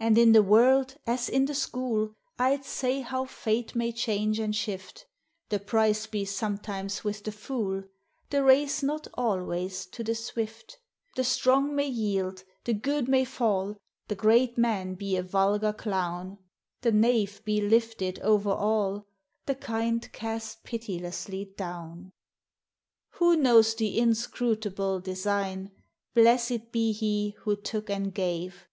And in the world, as in the school, I 'd say how fate may change and shift, — IV — 17 258 THE HIGHER LIFE. The prize be sometimes with the fool, The race not always to the swift: The strong may yield, the good may fall, The great man be a vulgar clown, The knave be lifted over all, The kind cast pitilessly down. Who knows the inscrutable design? Blessed be He who took and gave!